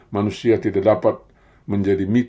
manusia tidak dapat menjadi mitra